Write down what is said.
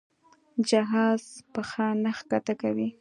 جهازه پښه نه ښکته کوي.